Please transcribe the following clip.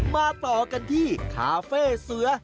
มาต่อกันที่คาเฟ่เสือ